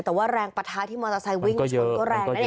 แต่ว่าแรงปทะที่มอเตอร์ไซค์วิ่งชนก็แร่ง